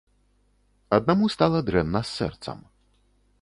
Аднаму стала дрэнна з сэрцам.